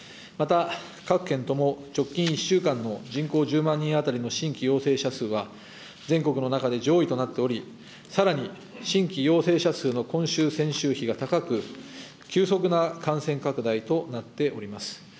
また各県とも、直近１週間の人口１０万人当たりの新規陽性者数は全国の中で上位となっており、さらに新規陽性者数の今週・先週比が高く、急速な感染拡大となっております。